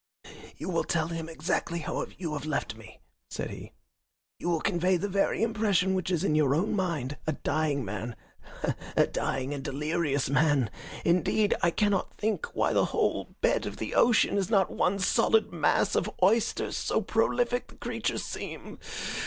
"You will tell him exactly how you have left me," said he. "You will convey the very impression which is in your own mind a dying man a dying and delirious man. Indeed, I cannot think why the whole bed of the ocean is not one solid mass of oysters, so prolific the creatures seem.